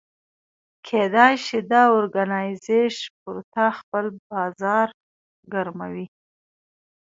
کېدای شي دا اورګنایزیش پر تا خپل بازار ګرموي.